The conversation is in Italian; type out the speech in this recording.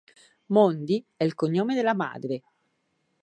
Moody è il cognome della madre.